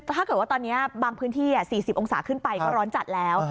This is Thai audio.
ถ้าเกิดว่าตอนนี้บางพื้นที่๔๐องศาขึ้นไปก็ร้อนจัดแล้ว